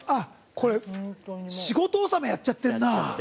これ、仕事納めやっちゃってんな。